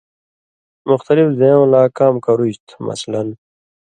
مختلف زیؤں لا کام کرُژ تُھو۔ مثلًا